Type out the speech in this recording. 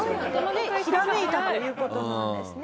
ひらめいたという事なんですね。